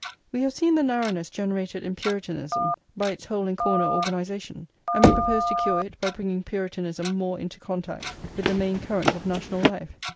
We have seen the narrowness generated in Puritanism by its hole and corner organisation, and we propose to cure it by bringing Puritanism more into contact with the main current of national life.